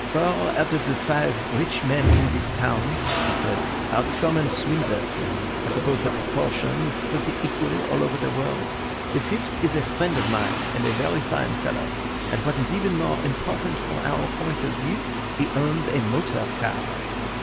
"Four out of the five rich men in this town," he said, "are common swindlers. I suppose the proportion is pretty equal all over the world. The fifth is a friend of mine, and a very fine fellow; and what is even more important from our point of view, he owns a motor car."